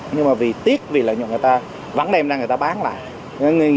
nhưng mà vì tiếc vì lợi nhuận người ta vẫn đem ra người ta bán lại